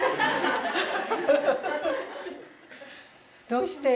どうして？